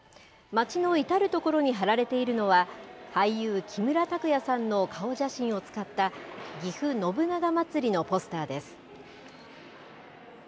町の至る所に貼られているのは、俳優、木村拓哉さんの顔写真を使ったぎふ信長まつりのポスターです。